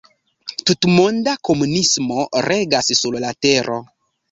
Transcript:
Tutmonda komunismo regas sur la Tero.